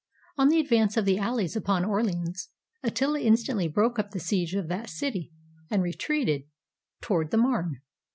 On the advance of the allies upon Orleans, Attila instantly broke up the siege of that city, and retreated 543 ROME toward the Marne.